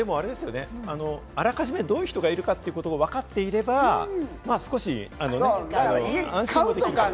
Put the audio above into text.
あらかじめどういう人がいるかってことをわかっていれば、少し安心もできますよね。